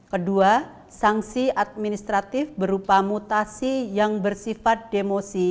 kedua sanksi administratif berupa mutasi yang bersifat demosi